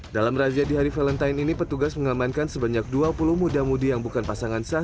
dalam razia di hari valentine ini petugas mengamankan sebanyak dua puluh muda mudi yang bukan pasangan sah